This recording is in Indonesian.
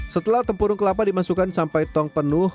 setelah tempurung kelapa dimasukkan sampai tong penuh